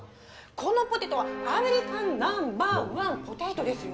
このポテトはアメリカン・ナンバーワン・ポテトですよ。